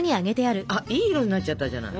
あっいい色になっちゃったじゃない。